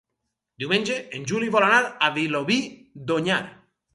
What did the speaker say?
Diumenge en Juli vol anar a Vilobí d'Onyar.